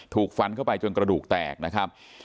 ถูกฟันเข้าไปจนกระดูกแตกนะครับ